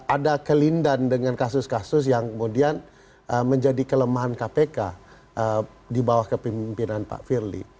ada kelindan dengan kasus kasus yang kemudian menjadi kelemahan kpk di bawah kepimpinan pak firly